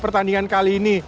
pertandingan kali ini